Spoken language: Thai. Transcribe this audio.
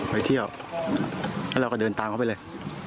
ไปเที่ยวแล้วเราก็เดินตามเขาไปเลย